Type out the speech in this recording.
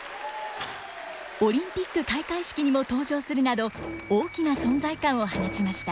オリンピック開会式にも登場するなど大きな存在感を放ちました。